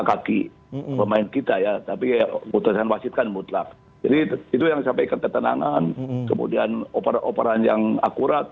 kaki pemain kita ya tapi mutlak jadi itu yang sampai ketenangan kemudian operan yang akurat